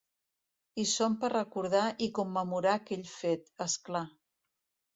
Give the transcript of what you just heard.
Hi som per recordar i commemorar aquell fet, és clar.